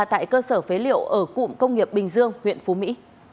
tại cơ sở phế liệu ở cụm công nghiệp bình dương huyện phú mỹ